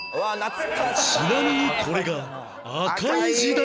ちなみにこれが赤井時代